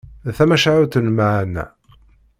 D tamacahut n lmeɛna.